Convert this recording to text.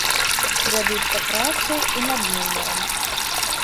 Вядуцца працы і над нумарам.